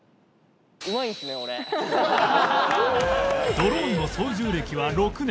ドローンの操縦歴は６年